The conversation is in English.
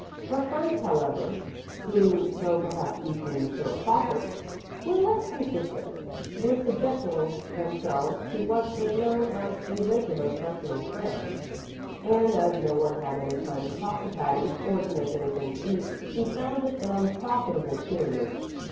Her friends, however, who, though perhaps equally philosophic, were less consistent, were subjecting themselves to what was known as a "regular freshman cram"; and as no one had any time to talk to Patty, or to make anything to eat, she found it an unprofitable period.